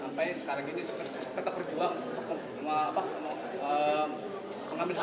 sampai sekarang ini suka suka terperjuang mengambil hak